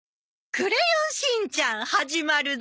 『クレヨンしんちゃん』始まるぞ。